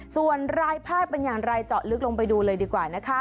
ส่วนรายภาคเป็นอย่างไรเจาะลึกลงไปดูเลยดีกว่านะคะ